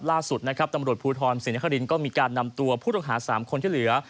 ล่าสุดนะครับตำรวจภูทรศรีนครินก็มีการนำตัวผู้ต้องหา๓คนที่เหลือ